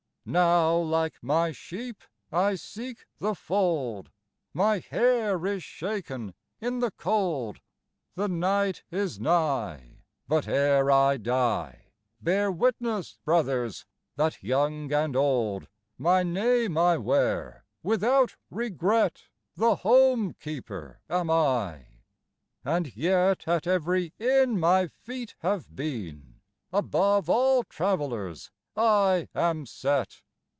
Now, like my sheep, I seek the fold; My hair is shaken in the cold; The night is nigh; but ere I die, Bear witness, brothers! that young and old, My name I wear without regret: The Home Keeper am I, and yet At every inn my feet have been, Above all travellers I am set.